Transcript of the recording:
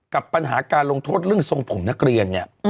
กับปัญหาการลงทดเรื่องทรงผมนักเรียน